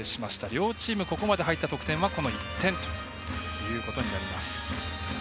両チームここまで入った得点はこの１点ということになります。